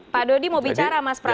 pak dodi mau bicara mas pras